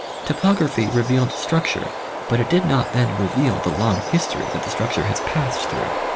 Topography revealed structure, but it did not then reveal the long history that the structure hae passed through.